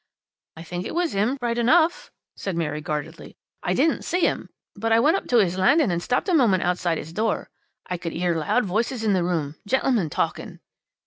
"'I think it was 'im, right enough,' said Mary guardedly. 'I didn't see 'im, but I went up to 'is landing and stopped a moment outside 'is door. I could 'ear loud voices in the room gentlemen talking.'